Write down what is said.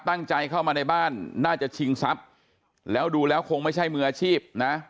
ตั้งใจเข้ามาในบ้านน่าจะชิงทรัพย์แล้วดูแล้วคงไม่ใช่มืออาชีพนะ